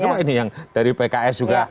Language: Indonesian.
cuma ini yang dari pks juga